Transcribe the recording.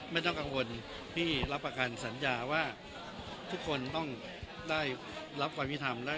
ไม่ต้องกังวลพี่รับประกันสัญญาว่าทุกคนต้องได้รับความวิธรรม